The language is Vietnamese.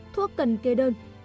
thuốc cần kê đơn